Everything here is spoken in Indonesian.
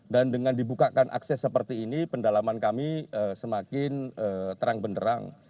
dan dengan dibukakan akses seperti ini pendalaman kami semakin terang benerang